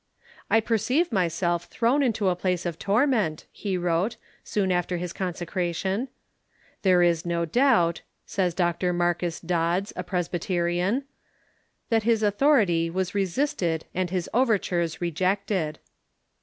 "I perceive myself thrown into a ])lace of torment," he wrote, soon after his consecration. "Thei*e is no doubt," says Dr. Marcus Dods, a Presbyterian, " that his authority was resisted and his overtures rejected."